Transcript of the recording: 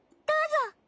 どうぞ。